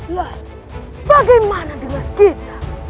lah bagaimana dengan kita